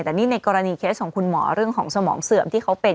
แต่นี่ในกรณีเคสของคุณหมอเรื่องของสมองเสื่อมที่เขาเป็น